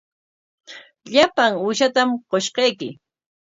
Llapan uushatam qushqayki.